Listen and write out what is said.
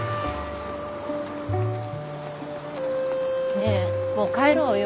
ねぇもう帰ろうよ。